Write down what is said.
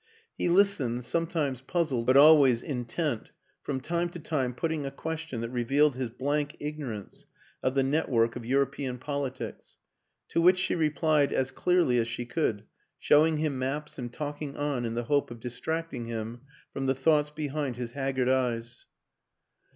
He listened, some WILLIAM AN ENGLISHMAN 195 times puzzled but always intent, from time to time putting a question that revealed his blank ignorance of the network of European politics; to which she replied as clearly as she could, showing him maps and talking on in the hope of distracting him from the thoughts behind his haggard eyes.